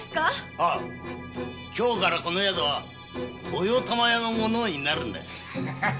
今日からこの宿は豊玉屋の物になるんだよ。